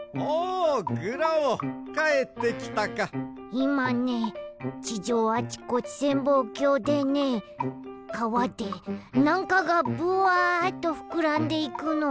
いまね地上あちこち潜望鏡でねかわでなんかがブワッとふくらんでいくのをみたよ。